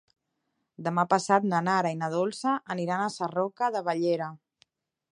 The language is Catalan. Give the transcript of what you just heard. Demà passat na Nara i na Dolça aniran a Sarroca de Bellera.